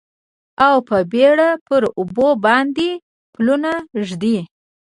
او په بیړه پر اوبو باندې پلونه ږدي